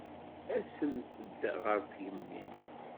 Asemt-d ɣer tgemmi.